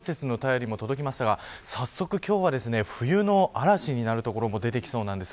そして昨日は北海道から初冠雪の便りも届きましたが早速今日は冬の嵐になる所も出てきそうなんです。